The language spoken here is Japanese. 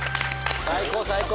最高最高！